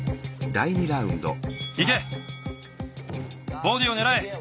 ボディーをねらえ。